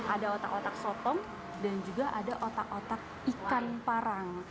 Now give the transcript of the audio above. ada otak otak sotong dan juga ada otak otak ikan parang